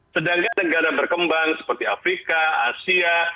sedangkan negara berkembang seperti afrika asia